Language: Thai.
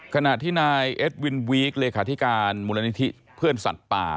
ขณะที่นายเอ็ดวินวีคเลขาธิการมูลนิธิเพื่อนสัตว์ป่า